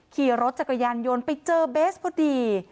ขี่รถจักรยานยนต์ไปเจอเบสพอดี